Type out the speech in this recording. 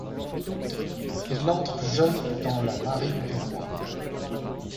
Il entre jeune dans la Marine du roi.